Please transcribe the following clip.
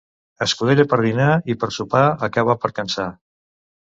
Escudella per dinar i per sopar acaba per cansar.